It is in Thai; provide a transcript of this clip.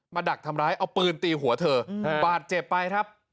ดักทำร้ายเอาปืนตีหัวเธอบาดเจ็บไปครับ